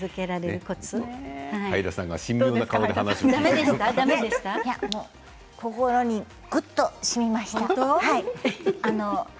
はいださんが神妙な顔で心にぐっとしみました。